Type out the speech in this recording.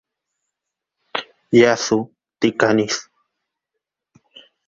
Σταμάτησε μια στιγμή κι έριξε γύρω μια πονηρή ματιά, να βεβαιωθεί πως τον πιστεύουν.